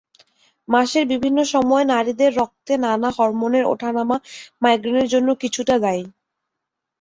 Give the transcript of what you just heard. মাসের বিভিন্ন সময় নারীদের রক্তে নানা হরমোনের ওঠানামা মাইগ্রেনের জন্য কিছুটা দায়ী।